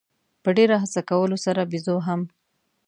په ډېره هڅه کولو سره بېزو هم.